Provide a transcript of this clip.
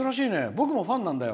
僕もファンなんだよ